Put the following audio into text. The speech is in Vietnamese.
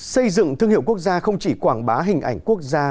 xây dựng thương hiệu quốc gia không chỉ quảng bá hình ảnh quốc gia